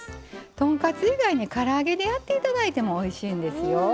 豚カツ以外にから揚げでやって頂いてもおいしいんですよ。